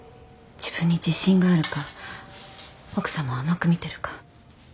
自分に自信があるか奥さまを甘く見てるか。